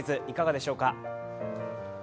いかがでしょうか？